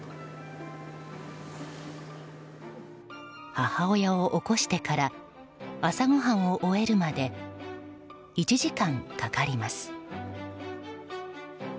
母親を起こしてから朝ごはんを終えるまで１時間かかります。